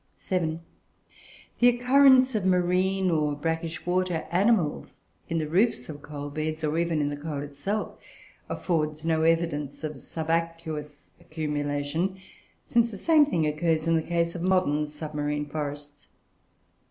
(7) The occurrence of marine, or brackish water animals, in the roofs of coal beds, or even in the coal itself, affords no evidence of subaqueous accumulation, since the same thing occurs in the case of modern submarine forests.